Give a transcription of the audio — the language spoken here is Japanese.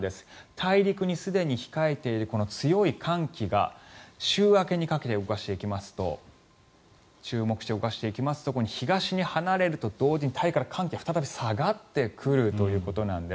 大陸にすでに控えているこの強い寒気が週明けにかけて動かしていきますと注目して動かしていきますと東に離れると同時に大陸から寒気が下がってくるということなんです。